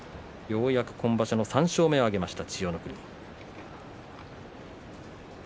ようやく今場所の３勝目を挙げました。